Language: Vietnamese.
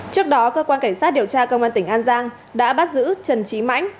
trước đó cơ quan cảnh sát điều tra công an tỉnh an giang đã bắt giữ trần trí mãnh